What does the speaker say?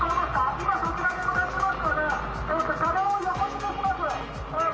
今そちらに向かっていますので、車両を横付けします。